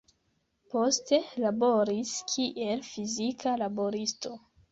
Poste laboris kiel fizika laboristo.